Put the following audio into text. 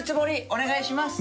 お願いします！